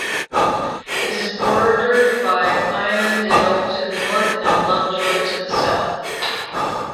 It is bordered by Irondale to the north and Lovejoy to the south.